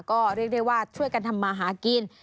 ก็เรียกได้ว่าช่วยกันทำมาหากิน